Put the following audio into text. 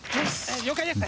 よし。